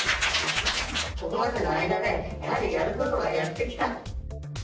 ここまでの間で、やはりやることはやってきた。